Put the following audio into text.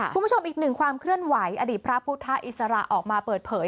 คุณผู้ชมอีกหนึ่งความเคลื่อนไหวอดีตพระพุทธอิสระออกมาเปิดเผย